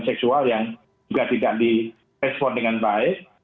seksual yang juga tidak direspon dengan baik